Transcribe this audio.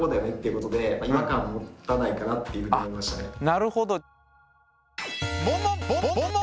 なるほど。